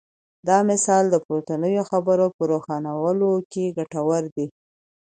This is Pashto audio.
دا مثال د پورتنیو خبرو په روښانولو کې ګټور دی.